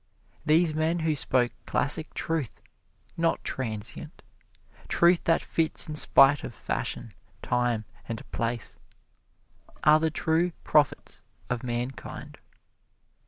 These men who spoke classic truth, not transient truth that fits in spite of fashion, time and place are the true prophets of mankind.